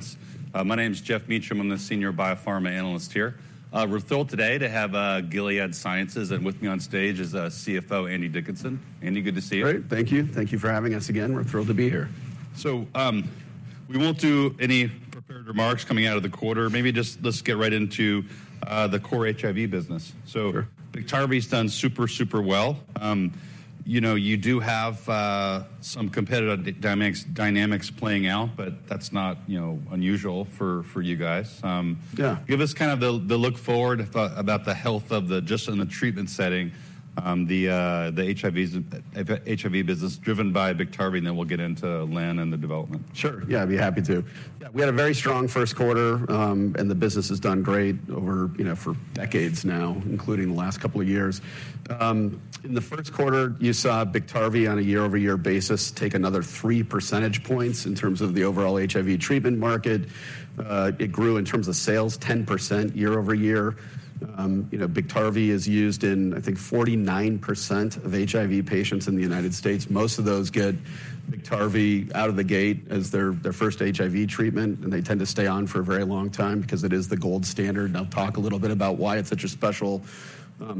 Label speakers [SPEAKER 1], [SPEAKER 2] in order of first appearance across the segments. [SPEAKER 1] Friends, my name's Jeff Meacham. I'm the senior biopharma analyst here. We're thrilled today to have Gilead Sciences, and with me on stage is CFO Andy Dickinson. Andy, good to see you.
[SPEAKER 2] Great. Thank you. Thank you for having us again. We're thrilled to be here.
[SPEAKER 1] So, we won't do any prepared remarks coming out of the quarter. Maybe just let's get right into the core HIV business.
[SPEAKER 2] Sure.
[SPEAKER 1] Biktarvy's done super, super well. You know, you do have some competitive dynamics playing out, but that's not, you know, unusual for you guys.
[SPEAKER 2] Yeah.
[SPEAKER 1] Give us kind of the look forward about the health of the business in the treatment setting, the HIV business driven by Biktarvy, and then we'll get into lenacapavir and the development.
[SPEAKER 2] Sure. Yeah. I'd be happy to. Yeah. We had a very strong first quarter, and the business has done great over, you know, for decades now, including the last couple of years. In the first quarter, you saw Biktarvy on a year-over-year basis take another 3 percentage points in terms of the overall HIV treatment market. It grew in terms of sales 10% year-over-year. You know, Biktarvy is used in, I think, 49% of HIV patients in the United States. Most of those get Biktarvy out of the gate as their, their first HIV treatment, and they tend to stay on for a very long time because it is the gold standard. And I'll talk a little bit about why it's such a special,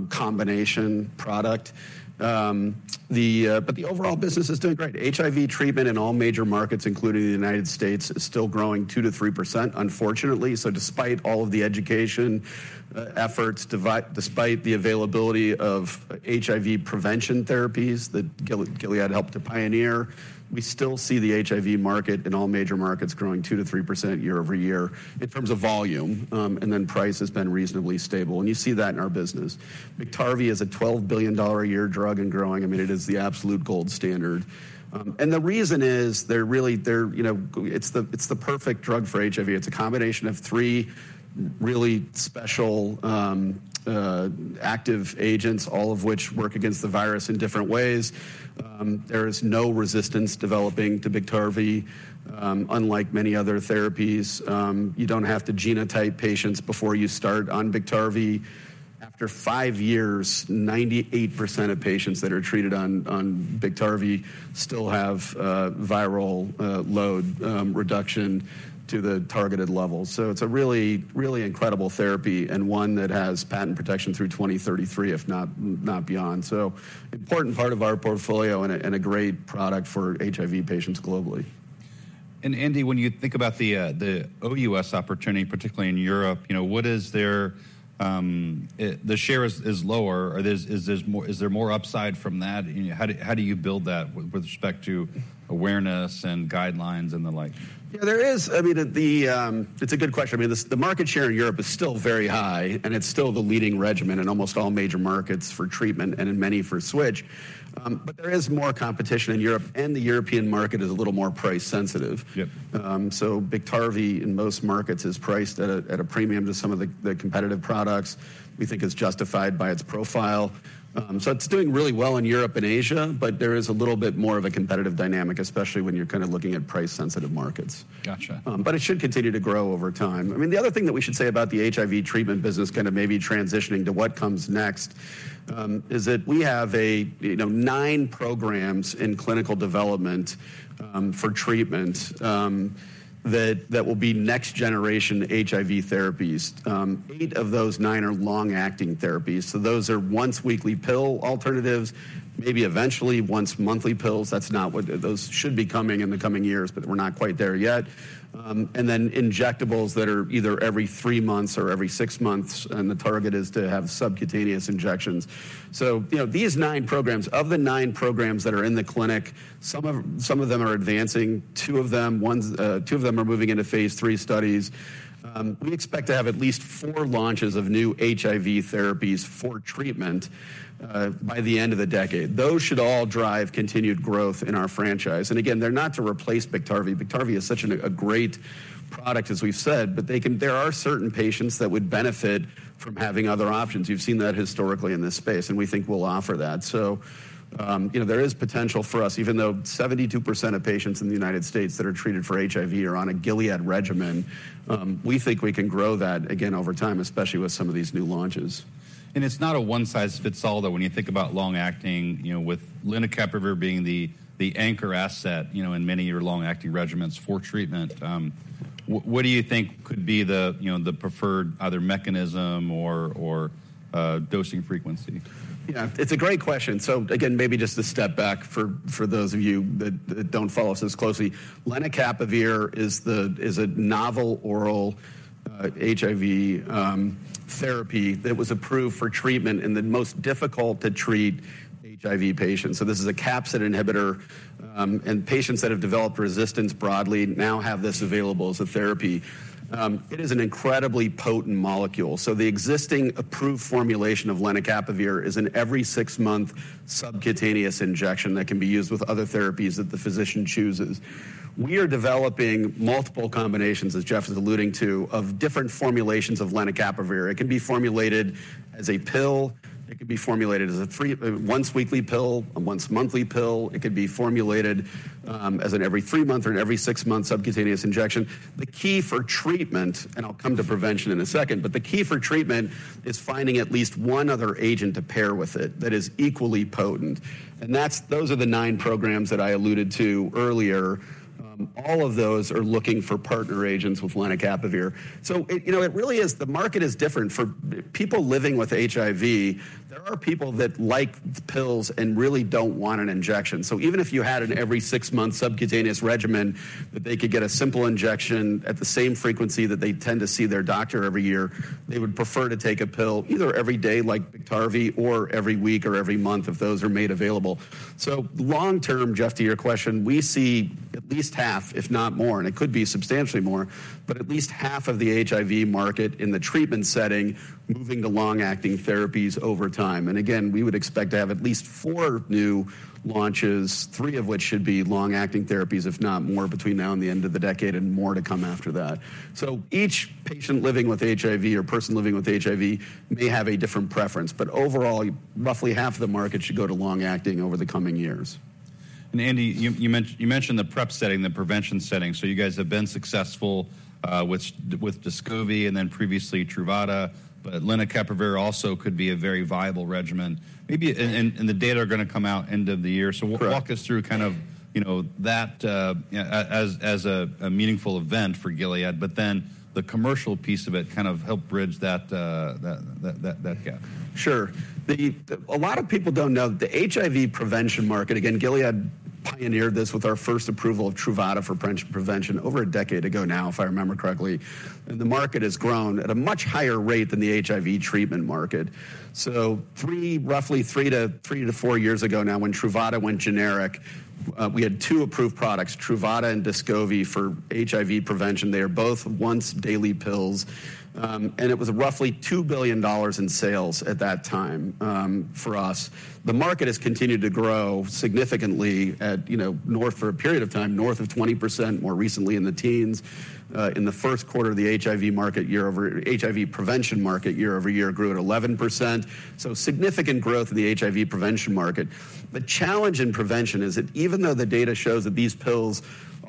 [SPEAKER 2] combination product. But the overall business is doing great. HIV treatment in all major markets, including the United States, is still growing 2%-3%, unfortunately. So, despite all of the education, efforts, despite the availability of HIV prevention therapies that Gilead helped to pioneer, we still see the HIV market in all major markets growing 2%-3% year over year in terms of volume, and then price has been reasonably stable. And you see that in our business. Biktarvy is a $12 billion a year drug and growing. I mean, it is the absolute gold standard. And the reason is they're really, you know, it's the perfect drug for HIV. It's a combination of three really special, active agents, all of which work against the virus in different ways. There is no resistance developing to Biktarvy, unlike many other therapies. You don't have to genotype patients before you start on Biktarvy. After five years, 98% of patients that are treated on Biktarvy still have viral load reduction to the targeted level. So, it's a really, really incredible therapy and one that has patent protection through 2033, if not beyond. So, important part of our portfolio and a great product for HIV patients globally.
[SPEAKER 1] Andy, when you think about the OUS opportunity, particularly in Europe, you know, what is their share? Is it lower? Or is there more upside from that? You know, how do you build that with respect to awareness and guidelines and the like?
[SPEAKER 2] Yeah. There is. I mean, it's a good question. I mean, the market share in Europe is still very high, and it's still the leading regimen in almost all major markets for treatment and in many for switch. But there is more competition in Europe, and the European market is a little more price-sensitive.
[SPEAKER 1] Yep.
[SPEAKER 2] Biktarvy in most markets is priced at a premium to some of the competitive products. We think it's justified by its profile. It's doing really well in Europe and Asia, but there is a little bit more of a competitive dynamic, especially when you're kind of looking at price-sensitive markets.
[SPEAKER 1] Gotcha.
[SPEAKER 2] but it should continue to grow over time. I mean, the other thing that we should say about the HIV treatment business, kind of maybe transitioning to what comes next, is that we have a, you know, 9 programs in clinical development, for treatment, that, that will be next-generation HIV therapies. 8 of those 9 are long-acting therapies. So, those are once-weekly pill alternatives, maybe eventually once-monthly pills. That's not what those should be coming in the coming years, but we're not quite there yet. And then injectables that are either every 3 months or every 6 months, and the target is to have subcutaneous injections. So, you know, these 9 programs of the 9 programs that are in the clinic, some of them are advancing. Two of them ones, two of them are moving into phase 3 studies. We expect to have at least four launches of new HIV therapies for treatment by the end of the decade. Those should all drive continued growth in our franchise. And again, they're not to replace Biktarvy. Biktarvy is such a great product, as we've said, but there are certain patients that would benefit from having other options. You've seen that historically in this space, and we think we'll offer that. So, you know, there is potential for us, even though 72% of patients in the United States that are treated for HIV are on a Gilead regimen, we think we can grow that again over time, especially with some of these new launches.
[SPEAKER 1] It's not a one-size-fits-all, though. When you think about long-acting, you know, with lenacapavir being the anchor asset, you know, in many of your long-acting regimens for treatment, what do you think could be the, you know, the preferred either mechanism or dosing frequency?
[SPEAKER 2] Yeah. It's a great question. So again, maybe just a step back for those of you that don't follow us as closely. lenacapavir is a novel oral HIV therapy that was approved for treatment in the most difficult-to-treat HIV patients. So, this is a capsid inhibitor, and patients that have developed resistance broadly now have this available as a therapy. It is an incredibly potent molecule. So, the existing approved formulation of lenacapavir is an every-6-month subcutaneous injection that can be used with other therapies that the physician chooses. We are developing multiple combinations, as Jeff is alluding to, of different formulations of lenacapavir. It can be formulated as a pill. It can be formulated as a 3 once-weekly pill, a once-monthly pill. It could be formulated as an every-3-month or an every-6-month subcutaneous injection. The key for treatment and I'll come to prevention in a second, but the key for treatment is finding at least one other agent to pair with it that is equally potent. And that's those are the nine programs that I alluded to earlier. All of those are looking for partner agents with lenacapavir. So, it you know, it really is the market is different for people living with HIV. There are people that like the pills and really don't want an injection. So, even if you had an every-six-month subcutaneous regimen that they could get a simple injection at the same frequency that they tend to see their doctor every year, they would prefer to take a pill either every day, like Biktarvy, or every week or every month if those are made available. Long-term, Jeff, to your question, we see at least half, if not more, and it could be substantially more, but at least half of the HIV market in the treatment setting moving to long-acting therapies over time. Again, we would expect to have at least 4 new launches, 3 of which should be long-acting therapies, if not more, between now and the end of the decade and more to come after that. Each patient living with HIV or person living with HIV may have a different preference, but overall, roughly half of the market should go to long-acting over the coming years.
[SPEAKER 1] Andy, you mentioned the PrEP setting, the prevention setting. So you guys have been successful with Descovy and then previously Truvada, but lenacapavir also could be a very viable regimen. And the data are gonna come out end of the year. So walk us through kind of, you know, that as a meaningful event for Gilead, but then the commercial piece of it kind of help bridge that gap.
[SPEAKER 2] Sure. A lot of people don't know that the HIV prevention market again, Gilead pioneered this with our first approval of Truvada for prevention over a decade ago now, if I remember correctly. And the market has grown at a much higher rate than the HIV treatment market. So, roughly three to four years ago now, when Truvada went generic, we had two approved products, Truvada and Descovy, for HIV prevention. They are both once-daily pills. And it was roughly $2 billion in sales at that time, for us. The market has continued to grow significantly at, you know, north of 20% for a period of time, more recently in the teens. In the first quarter, the HIV prevention market year-over-year, it grew at 11%. So, significant growth in the HIV prevention market. The challenge in prevention is that even though the data shows that these pills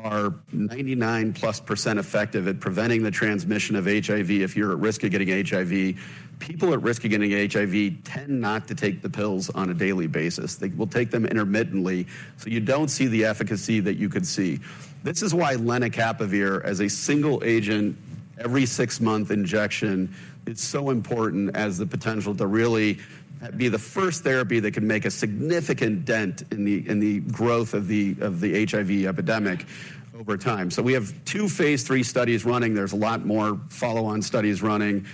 [SPEAKER 2] are 99%+ effective at preventing the transmission of HIV, if you're at risk of getting HIV, people at risk of getting HIV tend not to take the pills on a daily basis. They will take them intermittently, so, you don't see the efficacy that you could see. This is why lenacapavir, as a single agent, every-six-month injection is so important as the potential to really be the first therapy that can make a significant dent in the growth of the HIV epidemic over time. So, we have two phase 3 studies running. There's a lot more follow-on studies running.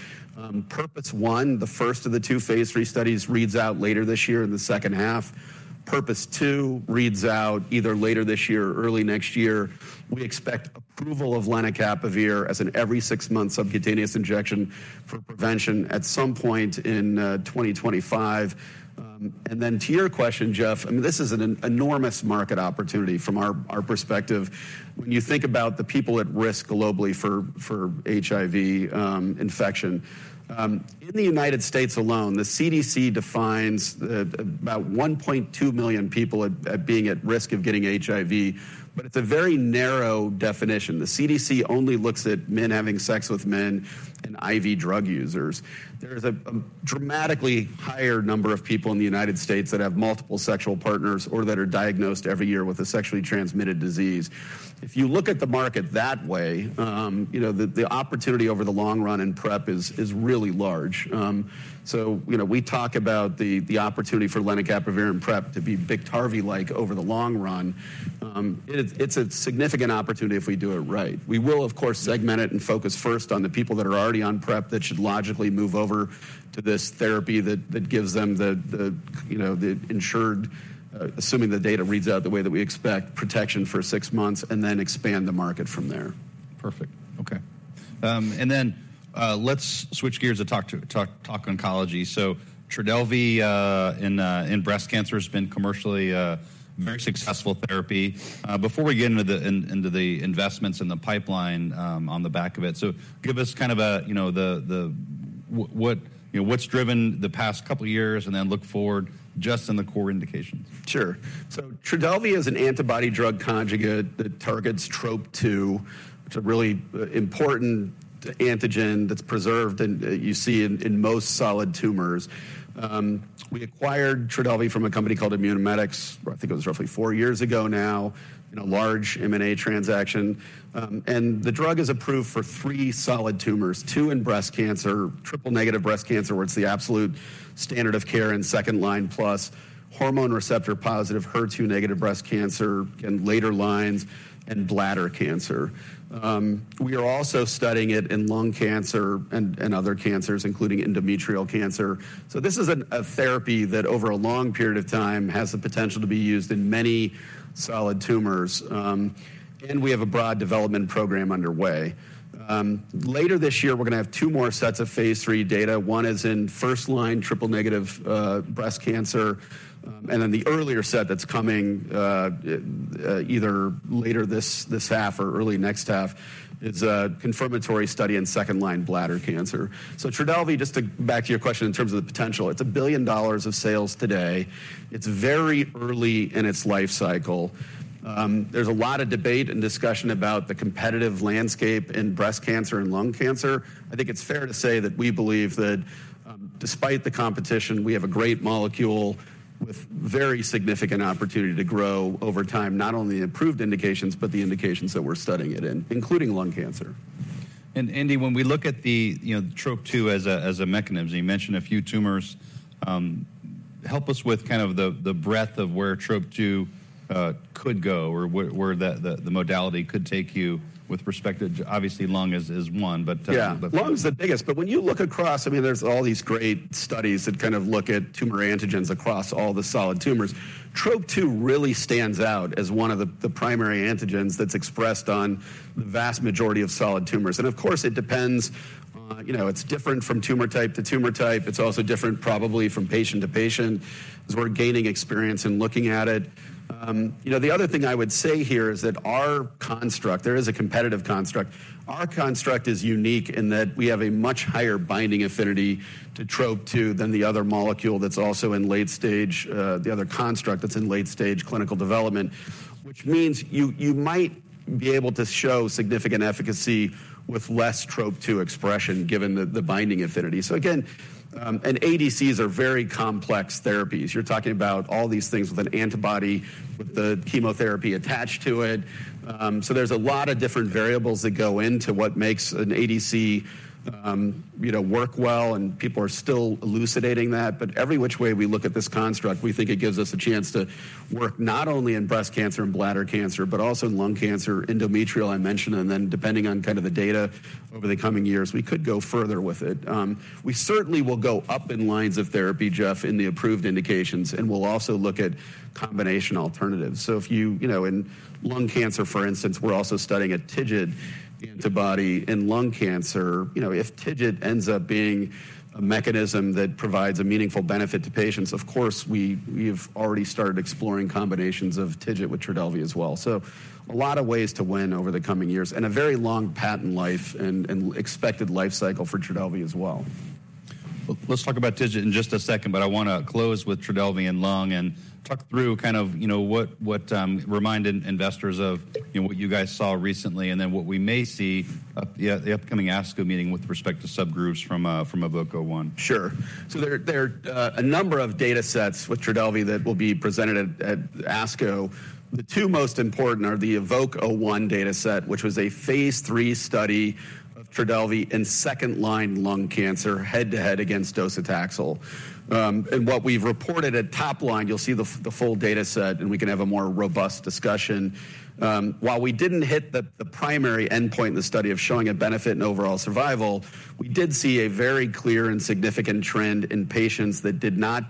[SPEAKER 2] PURPOSE 1, the first of the two phase 3 studies, reads out later this year in the second half. PURPOSE 2 reads out either later this year or early next year. We expect approval of lenacapavir as an every-six-month subcutaneous injection for prevention at some point in 2025. Then, to your question, Jeff, I mean, this is an enormous market opportunity from our perspective when you think about the people at risk globally for HIV infection. In the United States alone, the CDC defines about 1.2 million people at being at risk of getting HIV, but it's a very narrow definition. The CDC only looks at men having sex with men and IV drug users. There is a dramatically higher number of people in the United States that have multiple sexual partners or that are diagnosed every year with a sexually transmitted disease. If you look at the market that way, you know, the opportunity over the long run in PrEP is really large. You know, we talk about the opportunity for lenacapavir in PrEP to be Biktarvy-like over the long run. It's a significant opportunity if we do it right. We will, of course, segment it and focus first on the people that are already on PrEP that should logically move over to this therapy that gives them the, you know, the insured, assuming the data reads out the way that we expect, protection for six months and then expand the market from there.
[SPEAKER 1] Perfect. Okay. And then, let's switch gears to talk oncology. So, Trodelvy, in breast cancer has been commercially very successful therapy. Before we get into the investments and the pipeline, on the back of it, so give us kind of a, you know, the what, you know, what's driven the past couple of years and then look forward just in the core indications.
[SPEAKER 2] Sure. So, Trodelvy is an antibody-drug conjugate that targets Trop-2, which is a really important antigen that's preserved and, you see in most solid tumors. We acquired Trodelvy from a company called Immunomedics. I think it was roughly four years ago now, you know, large M&A transaction. And the drug is approved for three solid tumors, two in breast cancer, triple-negative breast cancer, where it's the absolute standard of care in second line plus, hormone receptor-positive HER2-negative breast cancer in later lines, and bladder cancer. We are also studying it in lung cancer and other cancers, including endometrial cancer. So this is a therapy that over a long period of time has the potential to be used in many solid tumors. And we have a broad development program underway. Later this year, we're gonna have two more sets of phase three data. One is in first-line triple-negative breast cancer. Then the earlier set that's coming, either later this half or early next half is a confirmatory study in second-line bladder cancer. So, Trodelvy, just to back to your question in terms of the potential, it's $1 billion of sales today. It's very early in its life cycle. There's a lot of debate and discussion about the competitive landscape in breast cancer and lung cancer. I think it's fair to say that we believe that, despite the competition, we have a great molecule with very significant opportunity to grow over time, not only the approved indications but the indications that we're studying it in, including lung cancer.
[SPEAKER 1] Andy, when we look at the, you know, Trop-2 as a mechanism, you mentioned a few tumors. Help us with kind of the breadth of where Trop-2 could go or where that the modality could take you with respect to obviously, lung is one, but.
[SPEAKER 2] Yeah. Lung's the biggest. But when you look across, I mean, there's all these great studies that kind of look at tumor antigens across all the solid tumors. Trop-2 really stands out as one of the, the primary antigens that's expressed on the vast majority of solid tumors. And of course, it depends on, you know, it's different from tumor type to tumor type. It's also different, probably, from patient to patient as we're gaining experience in looking at it. You know, the other thing I would say here is that our construct there is a competitive construct. Our construct is unique in that we have a much higher binding affinity to Trop-2 than the other molecule that's also in late stage, the other construct that's in late-stage clinical development, which means you might be able to show significant efficacy with less Trop-2 expression given the binding affinity. So again, ADCs are very complex therapies. You're talking about all these things with an antibody with the chemotherapy attached to it. So there's a lot of different variables that go into what makes an ADC, you know, work well, and people are still elucidating that. Every which way we look at this construct, we think it gives us a chance to work not only in breast cancer and bladder cancer but also in lung cancer, endometrial, I mentioned, and then depending on kind of the data over the coming years, we could go further with it. We certainly will go up in lines of therapy, Jeff, in the approved indications, and we'll also look at combination alternatives. So if you know, in lung cancer, for instance, we're also studying a TIGIT antibody. In lung cancer, you know, if TIGIT ends up being a mechanism that provides a meaningful benefit to patients, of course, we have already started exploring combinations of TIGIT with Trodelvy as well. So a lot of ways to win over the coming years and a very long patent life and expected life cycle for Trodelvy as well.
[SPEAKER 1] Well, let's talk about TIGIT in just a second, but I wanna close with Trodelvy and lung and talk through kind of, you know, what, what, remind investors of, you know, what you guys saw recently and then what we may see at the upcoming ASCO meeting with respect to subgroups from, from EVOKE-01.
[SPEAKER 2] Sure. So, there are a number of data sets with Trodelvy that will be presented at ASCO. The two most important are the EVOKE-01 data set, which was a phase 3 study of Trodelvy in second-line lung cancer head-to-head against docetaxel. And what we've reported at top line, you'll see the full data set, and we can have a more robust discussion. While we didn't hit the primary endpoint in the study of showing a benefit in overall survival, we did see a very clear and significant trend in patients that did not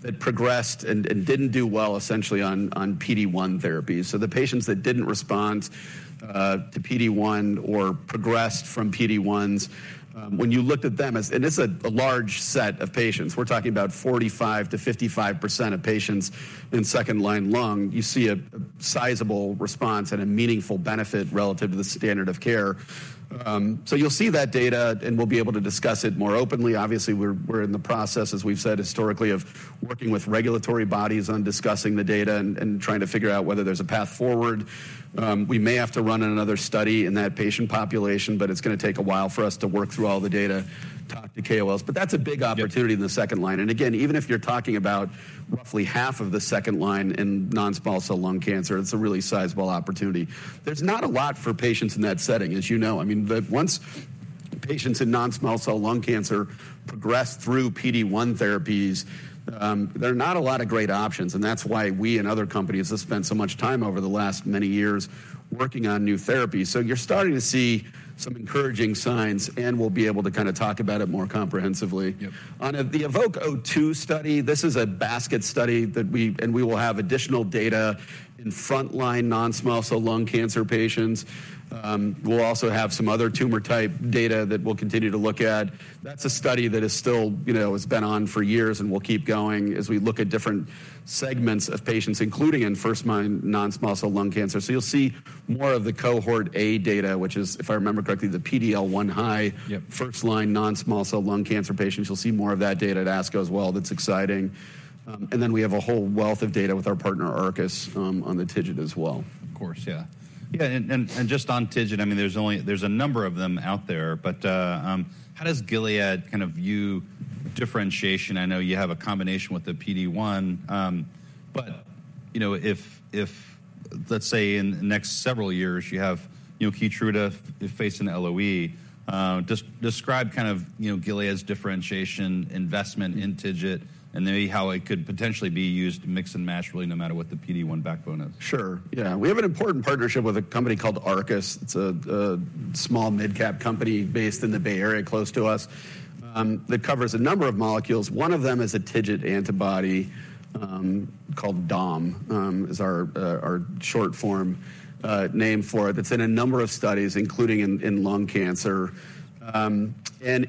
[SPEAKER 2] that progressed and didn't do well, essentially, on PD-1 therapies. So, the patients that didn't respond to PD-1 or progressed from PD-1s, when you looked at them, and it's a large set of patients. We're talking about 45%-55% of patients in second-line lung. You see a sizable response and a meaningful benefit relative to the standard of care. So, you'll see that data, and we'll be able to discuss it more openly. Obviously, we're in the process, as we've said historically, of working with regulatory bodies on discussing the data and trying to figure out whether there's a path forward. We may have to run another study in that patient population, but it's gonna take a while for us to work through all the data, talk to KOLs. But that's a big opportunity in the second line. And again, even if you're talking about roughly half of the second line in non-small cell lung cancer, it's a really sizable opportunity. There's not a lot for patients in that setting, as you know. I mean, once patients in non-small-cell lung cancer progress through PD-1 therapies, there are not a lot of great options. And that's why we and other companies have spent so much time over the last many years working on new therapies. So, you're starting to see some encouraging signs, and we'll be able to kind of talk about it more comprehensively.
[SPEAKER 1] Yep.
[SPEAKER 2] On the EVOKE-02 study, this is a basket study that we will have additional data in front-line non-small cell lung cancer patients. We'll also have some other tumor type data that we'll continue to look at. That's a study that is still, you know, has been on for years, and we'll keep going as we look at different segments of patients, including in first-line non-small cell lung cancer. So, you'll see more of the cohort A data, which is, if I remember correctly, the PD-L1 high first-line non-small cell lung cancer patients. You'll see more of that data at ASCO as well. That's exciting. And then we have a whole wealth of data with our partner, Arcus, on the TIGIT as well.
[SPEAKER 1] Of course. Yeah. Yeah. And just on TIGIT, I mean, there's a number of them out there, but how does Gilead kind of view differentiation? I know you have a combination with the PD-1, but you know, if let's say in the next several years, you have, you know, Keytruda facing LOE, describe kind of, you know, Gilead's differentiation, investment in TIGIT, and maybe how it could potentially be used to mix and match really no matter what the PD-1 backbone is.
[SPEAKER 2] Sure. Yeah. We have an important partnership with a company called Arcus. It's a small mid-cap company based in the Bay Area close to us, that covers a number of molecules. One of them is a TIGIT antibody, called Dom, is our short form name for it. That's in a number of studies, including in lung cancer. And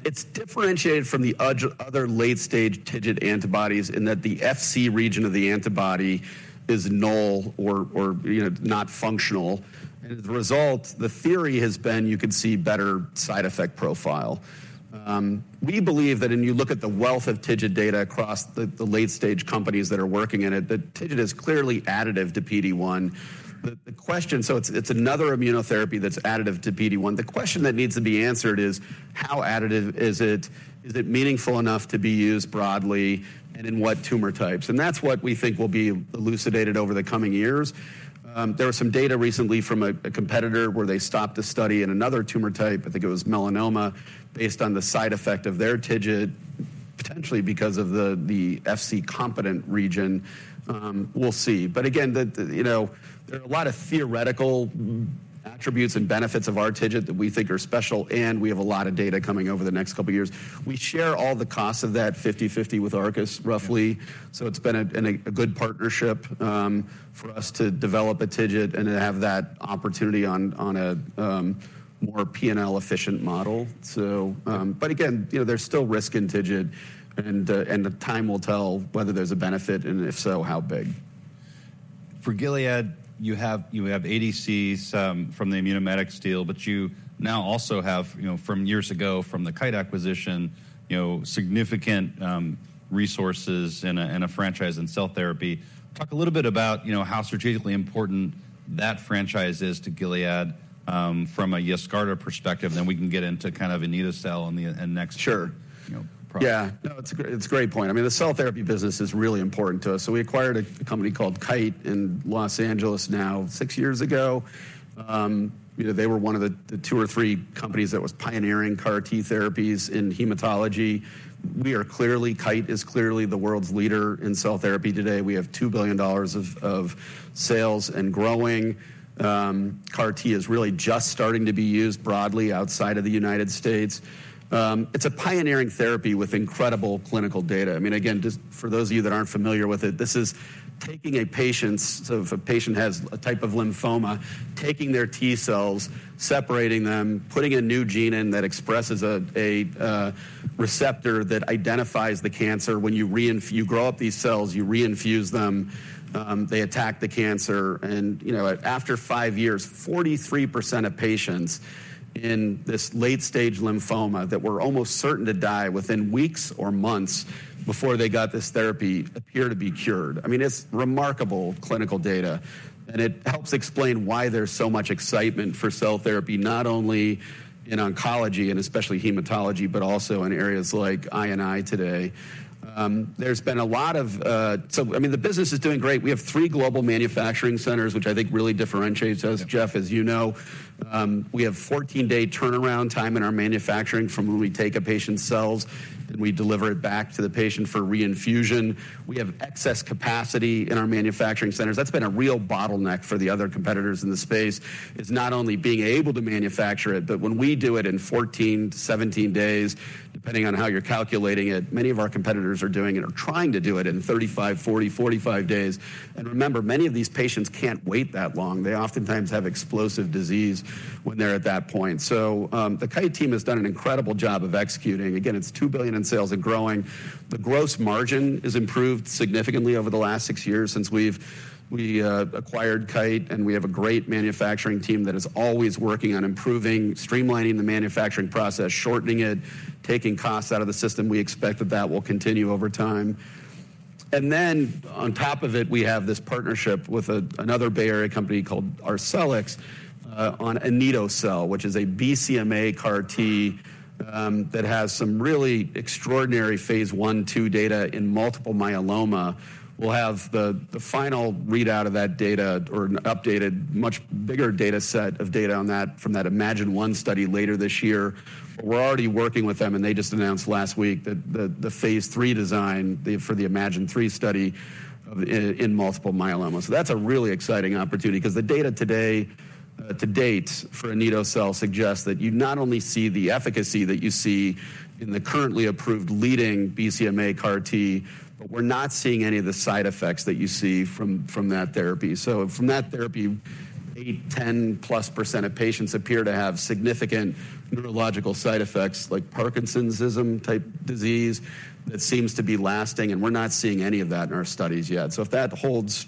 [SPEAKER 2] it's differentiated from the other late-stage TIGIT antibodies in that the Fc region of the antibody is null, or you know not functional. And as a result, the theory has been you could see better side effect profile. We believe that when you look at the wealth of TIGIT data across the late-stage companies that are working in it, that TIGIT is clearly additive to PD-1. The question so it's another immunotherapy that's additive to PD-1. The question that needs to be answered is, how additive is it? Is it meaningful enough to be used broadly, and in what tumor types? And that's what we think will be elucidated over the coming years. There was some data recently from a, a competitor where they stopped a study in another tumor type. I think it was melanoma based on the side effect of their TIGIT, potentially because of the, the Fc competent region. We'll see. But again, the, the you know, there are a lot of theoretical attributes and benefits of our TIGIT that we think are special, and we have a lot of data coming over the next couple of years. We share all the costs of that 50/50 with Arcus, roughly. So, it's been a good partnership for us to develop a TIGIT and to have that opportunity on a more P&L-efficient model. So, but again, you know, there's still risk in TIGIT, and time will tell whether there's a benefit, and if so, how big.
[SPEAKER 1] For Gilead, you have ADCs from the Immunomedics deal, but you now also have, you know, from years ago, from the Kite acquisition, you know, significant resources in a franchise in cell therapy. Talk a little bit about, you know, how strategically important that franchise is to Gilead, from a Yescarta perspective, and then we can get into kind of anito-cel in the next.
[SPEAKER 2] Sure.
[SPEAKER 1] You know, product.
[SPEAKER 2] Yeah. No, it's a great it's a great point. I mean, the cell therapy business is really important to us. So, we acquired a company called Kite in Los Angeles now six years ago. You know, they were one of the two or three companies that was pioneering CAR-T therapies in hematology. We are clearly Kite is clearly the world's leader in cell therapy today. We have $2 billion of sales and growing. CAR-T is really just starting to be used broadly outside of the United States. It's a pioneering therapy with incredible clinical data. I mean, again, just for those of you that aren't familiar with it, this is taking a patient's so, if a patient has a type of lymphoma, taking their T cells, separating them, putting a new gene in that expresses a receptor that identifies the cancer. When you remove, you grow up these cells, you reinfuse them. They attack the cancer. And, you know, after five years, 43% of patients in this late-stage lymphoma that were almost certain to die within weeks or months before they got this therapy appear to be cured. I mean, it's remarkable clinical data, and it helps explain why there's so much excitement for cell therapy, not only in oncology and especially hematology but also in areas like autoimmune today. There's been a lot of, so, I mean, the business is doing great. We have three global manufacturing centers, which I think really differentiates us, Jeff, as you know. We have 14-day turnaround time in our manufacturing from when we take a patient's cells and we deliver it back to the patient for reinfusion. We have excess capacity in our manufacturing centers. That's been a real bottleneck for the other competitors in the space, not only being able to manufacture it, but when we do it in 14-17 days, depending on how you're calculating it, many of our competitors are doing it or trying to do it in 35, 40, 45 days. And remember, many of these patients can't wait that long. They oftentimes have explosive disease when they're at that point. So, the Kite team has done an incredible job of executing. Again, it's $2 billion in sales and growing. The gross margin has improved significantly over the last six years since we've acquired Kite, and we have a great manufacturing team that is always working on improving, streamlining the manufacturing process, shortening it, taking costs out of the system. We expect that will continue over time. And then on top of it, we have this partnership with another Bay Area company called Arcelix, on anito-cel, which is a BCMA CAR-T, that has some really extraordinary phase I, II data in multiple myeloma. We'll have the final readout of that data or an updated, much bigger data set of data on that from that iMMagine-1 study later this year. But we're already working with them, and they just announced last week that the phase III design for the iMMagine-3 study of in multiple myeloma. So, that's a really exciting opportunity 'cause the data today, to date for anito-cel suggests that you not only see the efficacy that you see in the currently approved leading BCMA CAR-T, but we're not seeing any of the side effects that you see from that therapy. So, from that therapy, 8%-10%+ of patients appear to have significant neurological side effects like parkinsonism-type disease that seems to be lasting, and we're not seeing any of that in our studies yet. So, if that holds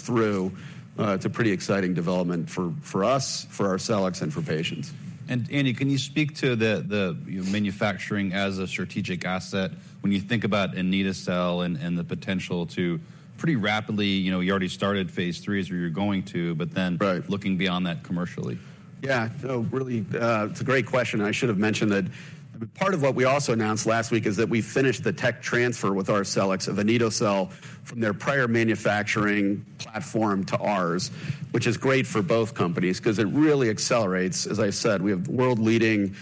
[SPEAKER 2] through, it's a pretty exciting development for us, for Arcelix, and for patients.
[SPEAKER 1] Andy, can you speak to the you know, manufacturing as a strategic asset when you think about anito-cel and the potential to pretty rapidly you know, you already started phase 3 as you were going to, but then?
[SPEAKER 2] Right.
[SPEAKER 1] Looking beyond that commercially.
[SPEAKER 2] Yeah. No, really, it's a great question. I should have mentioned that I mean, part of what we also announced last week is that we finished the tech transfer with Arcelix of anito-cel from their prior manufacturing platform to ours, which is great for both companies 'cause it really accelerates. As I said, we have world-leading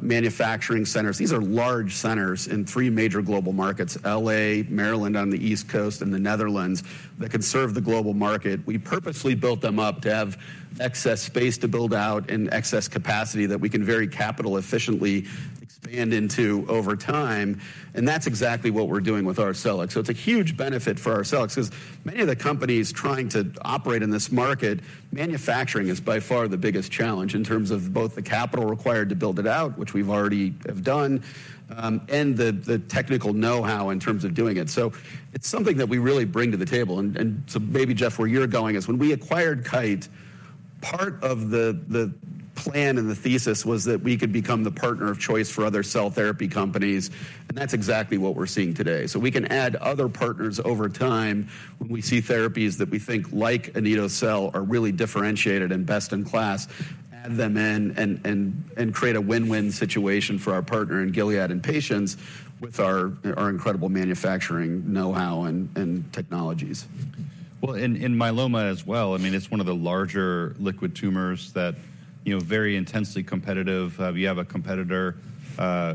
[SPEAKER 2] manufacturing centers. These are large centers in three major global markets: L.A., Maryland on the East Coast, and the Netherlands that can serve the global market. We purposely built them up to have excess space to build out and excess capacity that we can very capital-efficiently expand into over time. And that's exactly what we're doing with Arcelix. So, it's a huge benefit for Arcelix 'cause many of the companies trying to operate in this market, manufacturing is by far the biggest challenge in terms of both the capital required to build it out, which we've already done, and the technical know-how in terms of doing it. So, it's something that we really bring to the table. And so maybe, Jeff, where you're going is when we acquired Kite, part of the plan and the thesis was that we could become the partner of choice for other cell therapy companies. And that's exactly what we're seeing today. So, we can add other partners over time when we see therapies that we think, like anito-cel, are really differentiated and best in class, add them in, and create a win-win situation for our partner in Gilead and patients with our incredible manufacturing know-how and technologies.
[SPEAKER 1] Well, in myeloma as well, I mean, it's one of the larger liquid tumors that, you know, very intensely competitive. You have a competitor,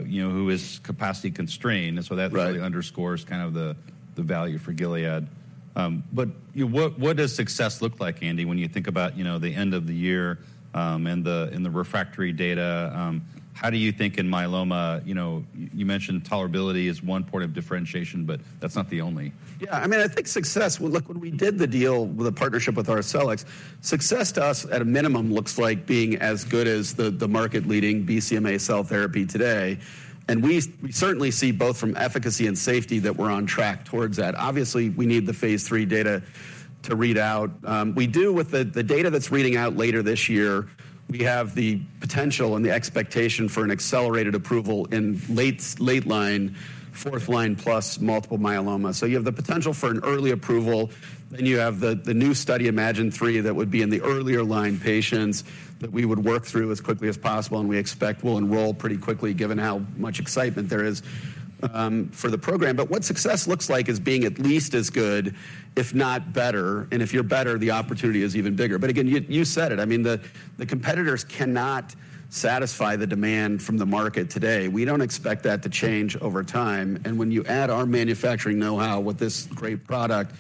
[SPEAKER 1] you know, who is capacity constrained. And so that.
[SPEAKER 2] Right.
[SPEAKER 1] Really underscores kind of the value for Gilead. But, you know, what does success look like, Andy, when you think about, you know, the end of the year, and the refractory data? How do you think in myeloma you know, you mentioned tolerability is one point of differentiation, but that's not the only.
[SPEAKER 2] Yeah. I mean, I think success, well, look, when we did the deal with a partnership with Arcelix, success to us, at a minimum, looks like being as good as the market-leading BCMA cell therapy today. And we certainly see both from efficacy and safety that we're on track towards that. Obviously, we need the phase 3 data to read out. We do with the data that's reading out later this year; we have the potential and the expectation for an accelerated approval in late-line, fourth-line plus multiple myeloma. So, you have the potential for an early approval. Then you have the new study, iMMagine-3, that would be in the earlier-line patients that we would work through as quickly as possible. And we expect we'll enroll pretty quickly given how much excitement there is for the program. But what success looks like is being at least as good, if not better. And if you're better, the opportunity is even bigger. But again, you said it. I mean, the competitors cannot satisfy the demand from the market today. We don't expect that to change over time. And when you add our manufacturing know-how with this great product,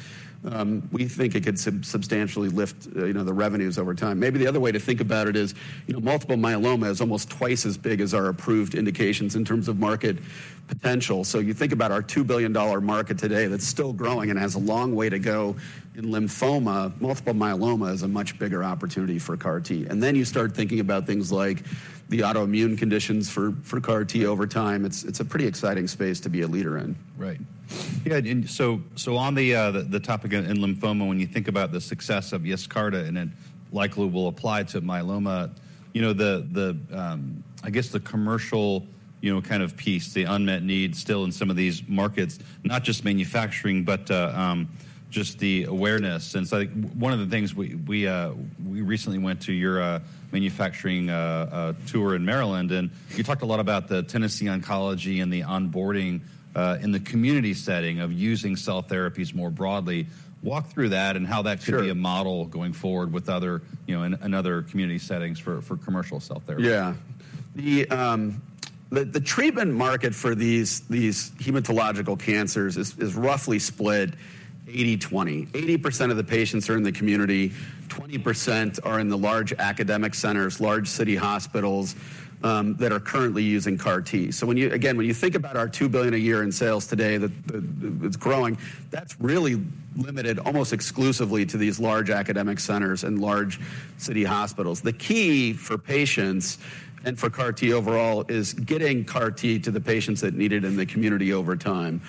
[SPEAKER 2] we think it could substantially lift, you know, the revenues over time. Maybe the other way to think about it is, you know, multiple myeloma is almost twice as big as our approved indications in terms of market potential. So, you think about our $2 billion market today that's still growing and has a long way to go in lymphoma. Multiple myeloma is a much bigger opportunity for CAR-T. And then you start thinking about things like the autoimmune conditions for CAR-T over time. It's a pretty exciting space to be a leader in.
[SPEAKER 1] Right. Yeah. And so on the topic in lymphoma, when you think about the success of Yescarta and it likely will apply to myeloma, you know, the I guess the commercial, you know, kind of piece, the unmet needs still in some of these markets, not just manufacturing but just the awareness. And so, I think one of the things we recently went to your manufacturing tour in Maryland, and you talked a lot about the Tennessee Oncology and the onboarding in the community setting of using cell therapies more broadly. Walk through that and how that could be.
[SPEAKER 2] Sure.
[SPEAKER 1] A model going forward with other, you know, in other community settings for commercial cell therapy.
[SPEAKER 2] Yeah. The treatment market for these hematological cancers is roughly split 80/20. 80% of the patients are in the community. 20% are in the large academic centers, large city hospitals, that are currently using CAR-T. So when you think about our $2 billion a year in sales today, it's growing. That's really limited almost exclusively to these large academic centers and large city hospitals. The key for patients and for CAR-T overall is getting CAR-T to the patients that need it in the community over time.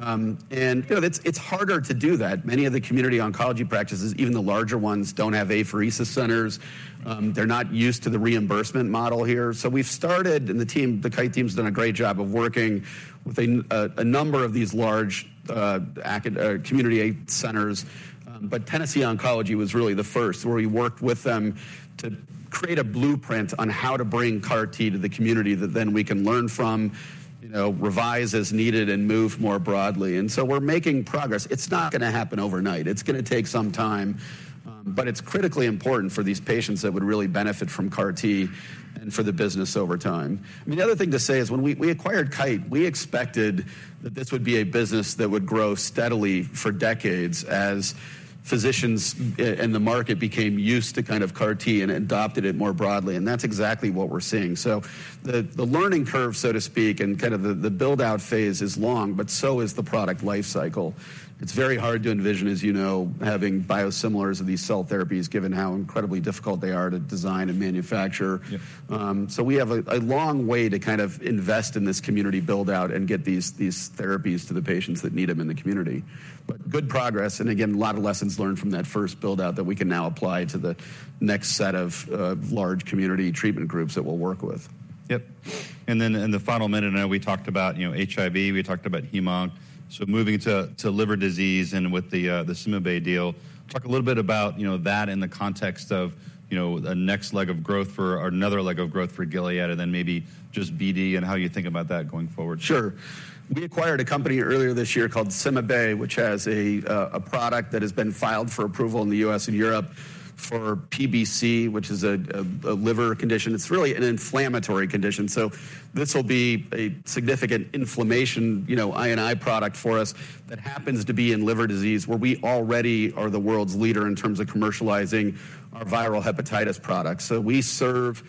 [SPEAKER 2] And you know, it's harder to do that. Many of the community oncology practices, even the larger ones, don't have apheresis centers. They're not used to the reimbursement model here. So, we've started and the team, the Kite team's done a great job of working with a number of these large academic community AIDS centers. But Tennessee Oncology was really the first where we worked with them to create a blueprint on how to bring CAR-T to the community that then we can learn from, you know, revise as needed, and move more broadly. And so we're making progress. It's not gonna happen overnight. It's gonna take some time. But it's critically important for these patients that would really benefit from CAR-T and for the business over time. I mean, the other thing to say is when we acquired Kite, we expected that this would be a business that would grow steadily for decades as physicians in the market became used to kind of CAR-T and adopted it more broadly. And that's exactly what we're seeing. So, the learning curve, so to speak, and kind of the buildout phase is long, but so is the product lifecycle. It's very hard to envision, as you know, having biosimilars of these cell therapies given how incredibly difficult they are to design and manufacture.
[SPEAKER 1] Yeah.
[SPEAKER 2] So, we have a long way to kind of invest in this community buildout and get these therapies to the patients that need them in the community. But good progress. And again, a lot of lessons learned from that first buildout that we can now apply to the next set of large community treatment groups that we'll work with.
[SPEAKER 1] Yep. And then in the final minute, I know we talked about, you know, HIV. We talked about HemOnc. So moving to liver disease and with the CymaBay deal, talk a little bit about, you know, that in the context of, you know, a next leg of growth for or another leg of growth for Gilead and then maybe just BD and how you think about that going forward.
[SPEAKER 2] Sure. We acquired a company earlier this year called CymaBay, which has a product that has been filed for approval in the US and Europe for PBC, which is a liver condition. It's really an inflammatory condition. So, this will be a significant anti-inflammatory, you know, product for us that happens to be in liver disease where we already are the world's leader in terms of commercializing our viral hepatitis products. So we serve,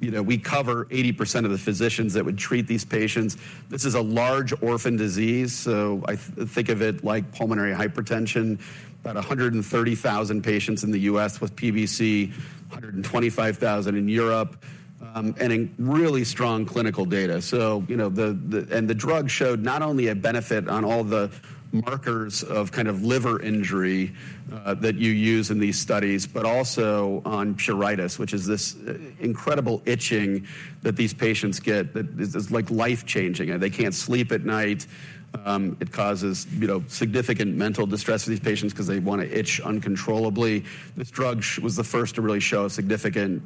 [SPEAKER 2] you know, we cover 80% of the physicians that would treat these patients. This is a large orphan disease. So, I think of it like pulmonary hypertension, about 130,000 patients in the US with PBC, 125,000 in Europe, and really strong clinical data. So, you know, the drug showed not only a benefit on all the markers of kind of liver injury that you use in these studies but also on pruritus, which is this incredible itching that these patients get that is like life-changing. They can't sleep at night. It causes, you know, significant mental distress for these patients 'cause they wanna itch uncontrollably. This drug was the first to really show a significant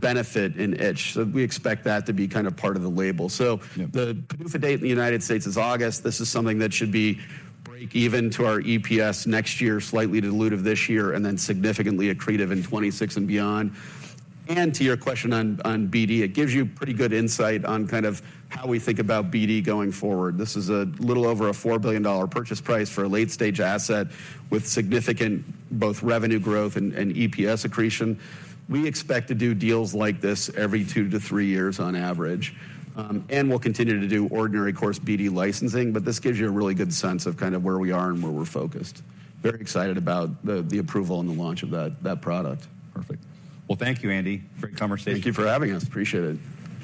[SPEAKER 2] benefit in itch. So we expect that to be kind of part of the label.
[SPEAKER 1] Yeah.
[SPEAKER 2] The PDUFA date in the United States is August. This is something that should be break-even to our EPS next year, slightly diluted this year, and then significantly accretive in 2026 and beyond. And to your question on, on BD, it gives you pretty good insight on kind of how we think about BD going forward. This is a little over a $4 billion purchase price for a late-stage asset with significant both revenue growth and, and EPS accretion. We expect to do deals like this every two to three years on average, and we'll continue to do ordinary course BD licensing. But this gives you a really good sense of kind of where we are and where we're focused. Very excited about the, the approval and the launch of that, that product.
[SPEAKER 1] Perfect. Well, thank you, Andy. Great conversation.
[SPEAKER 2] Thank you for having us. Appreciate it.